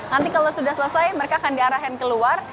nanti kalau sudah selesai mereka akan diarahkan keluar